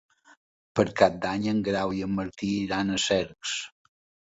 Per Cap d'Any en Grau i en Martí iran a Cercs.